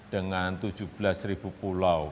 dengan tujuh belas ribu pulau